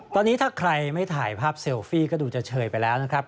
ตอนนี้ถ้าใครไม่ถ่ายภาพเซลฟี่ก็ดูจะเชยไปแล้วนะครับ